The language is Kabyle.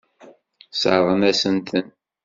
Sseṛɣen-asen-ten.